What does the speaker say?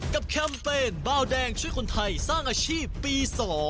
แคมเปญเบาแดงช่วยคนไทยสร้างอาชีพปี๒